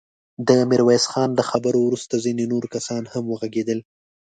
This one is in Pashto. د ميرويس خان له خبرو وروسته ځينې نور کسان هم وغږېدل.